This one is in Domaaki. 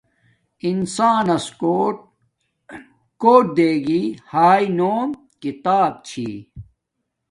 انساناس کوٹ کوٹ دیگی ہݵ نوم کتاب چھی